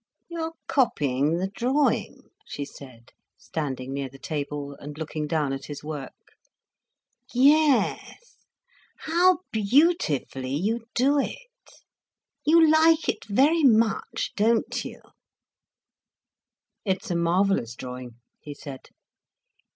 "You are copying the drawing," she said, standing near the table, and looking down at his work. "Yes. How beautifully you do it! You like it very much, don't you?" "It's a marvellous drawing," he said.